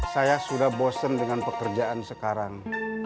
saya sudah bosen dengan pekerjaan sekarang